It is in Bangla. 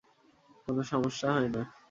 কোন সমস্যা হয় না।